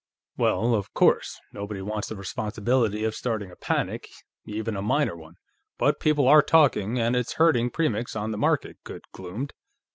"Well, of course, nobody wants the responsibility of starting a panic, even a minor one, but people are talking, and it's hurting Premix on the market," Goode gloomed.